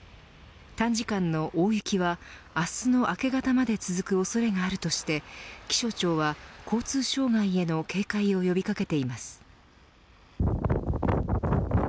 短時間の大雪は明日の明け方まで続く恐れがあるとして気象庁は交通障害への警戒を呼び掛けています。